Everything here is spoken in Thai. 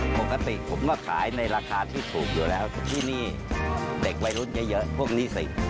ปกติผมก็ขายในราคาที่ถูกอยู่แล้วที่นี่เด็กวัยรุ่นเยอะพวกนี้สิ